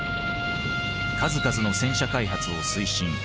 数々の戦車開発を推進。